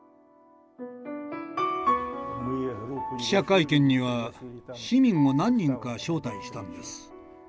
記者会見には市民を何人か招待したんです。